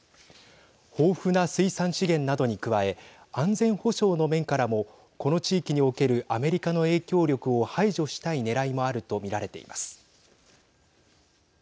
豊富な水産資源などに加え安全保障の面からもこの地域におけるアメリカの影響力を排除したいねらいもあると見られています。